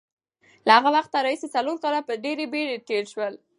له هغه وخته راهیسې څلور کاله په ډېرې بېړې تېر شول.